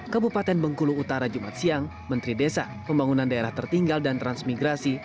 kabupaten bengkulu utara jumat siang menteri desa pembangunan daerah tertinggal dan transmigrasi